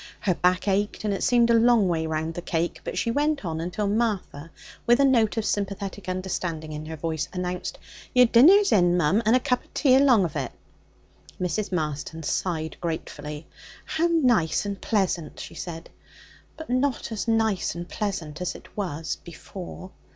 Her back ached, and it seemed a long way round the cake, but she went on until Martha, with a note of sympathetic understanding in her voice, announced: 'Yer dinner's in, mum, and a cup of tea along of it.' Mrs. Marston sighed gratefully. 'How nice and pleasant!' she said; 'but not as nice and pleasant as it was before.'